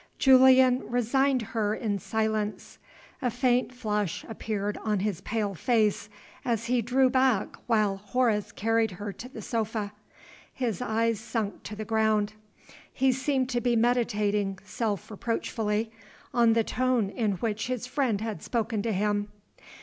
Julian resigned her in silence. A faint flush appeared on his pale face as he drew back while Horace carried her to the sofa. His eyes sunk to the ground; he seemed to be meditating self reproachfully on the tone in which his friend had spoken to him.